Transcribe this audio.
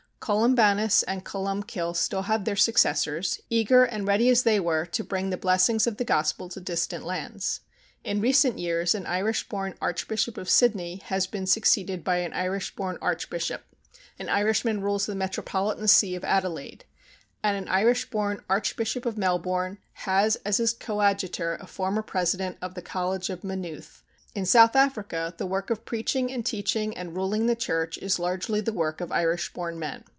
Columbanus and Columcille have still their successors, eager and ready as they were to bring the blessings of the Gospel to distant lands. In recent years an Irish born Archbishop of Sydney has been succeeded by an Irish born Archbishop; an Irishman rules the metropolitan see of Adelaide; and an Irish born Archbishop of Melbourne has as his coadjutor a former president of the College of Maynooth. In South Africa, the work of preaching and teaching and ruling the church is largely the work of Irish born men.